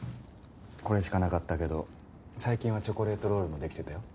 これしかなかったけど最近はチョコレートロールもできてたよ。